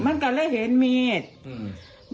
มันก็เลยเห็นมีดอืม